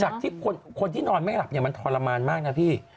จากที่คนที่นอนไม่หลับเนี่ยมันทรมานมากนะพี่